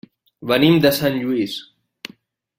Venim de Sant Lluís.